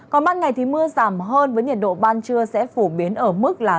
còn ban ngày thì mưa giảm hơn với nhiệt độ ban trưa sẽ phổ biến ở mức là